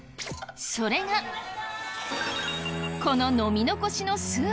それがこの飲み残しのスープ。